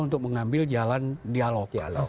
untuk mengambil jalan dialog